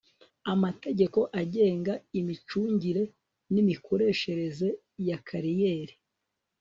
amategeko agenga imicungire n imikoreshereze ya kariyeri